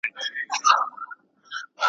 زه پانوس غوندي بلېږم دا تیارې رڼا کومه `